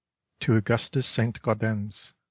To Augustus St. Gaudens .